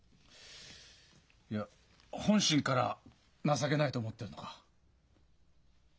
いや本心から「情けない」と思ってるのか？